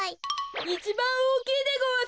いちばんおおきいでごわす！